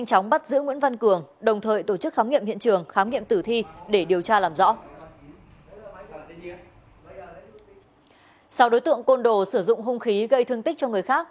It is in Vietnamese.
sau đối tượng côn đồ sử dụng hung khí gây thương tích cho người khác